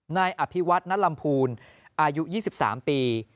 นายอภิวัฒนลำพูนอายุ๒๓ปี